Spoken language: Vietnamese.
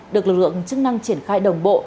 được lực lượng chức năng triển khai đồng bộ